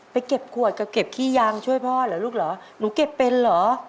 เก็บขวดกับเก็บขี้ยางช่วยพ่อเหรอลูกเหรอหนูเก็บเป็นเหรอ